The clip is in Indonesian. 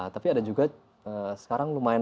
tapi ada juga sekarang lumayan